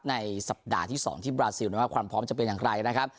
ในสัปดาห์ที่๒ที่บราซิลว่าความพร้อมจะเป็นอย่างไรนะครับ